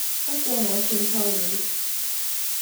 不過我算錯了